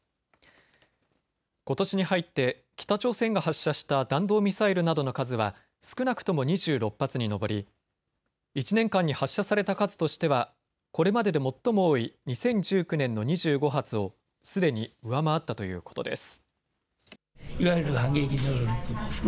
ことしに入って北朝鮮が発射した弾道ミサイルなどの数は少なくとも２６発に上り１年間に発射された数としてはこれまでで最も多い２０１９年の２５発をすでに上回ったということです。